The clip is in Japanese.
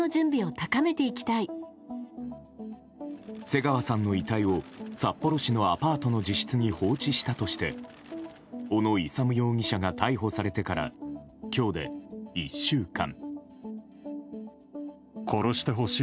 瀬川さんの遺体を札幌市のアパートの自室に放置したとして小野勇容疑者が逮捕されてから今日で１週間。